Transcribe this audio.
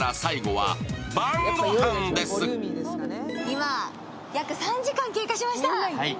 今、約３時間経過しました。